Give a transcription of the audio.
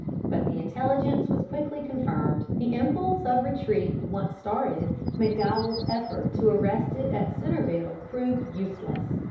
But the intelligence was quickly confirmed. The impulse of retreat once started, McDowell's effort to arrest it at Centreville proved useless.